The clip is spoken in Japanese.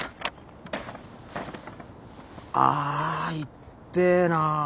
あいってえな。